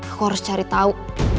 aku harus cari tahu